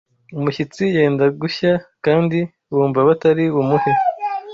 umushyitsi yenda gushya kandi bumva batari bumuhe